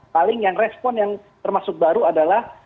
paling yang respon yang termasuk baru adalah